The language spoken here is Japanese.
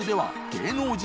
芸能人